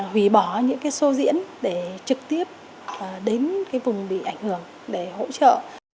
hủy bỏ những cái sô diễn để trực tiếp đến vùng bị ảnh hưởng để hỗ trợ